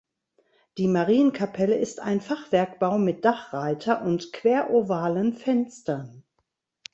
Die Marienkapelle ist ein Fachwerkbau mit Dachreiter und querovalen Fenstern.